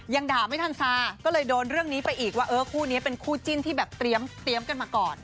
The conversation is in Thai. ยังด่าไม่ทันซาก็เลยโดนเรื่องนี้ไปอีกว่าเออคู่นี้เป็นคู่จิ้นที่แบบเตรียมกันมาก่อน